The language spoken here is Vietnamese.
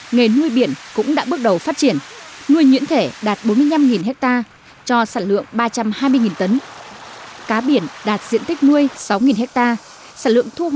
nghề nuôi biển cũng đã bước đầu phát triển nuôi nhuyễn thể đạt bốn mươi năm hectare cho sản lượng ba trăm hai mươi tấn